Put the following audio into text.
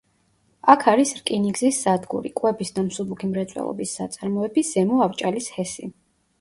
აქ არის რკინიგზის სადგური, კვების და მსუბუქი მრეწველობის საწარმოები, ზემო ავჭალის ჰესი.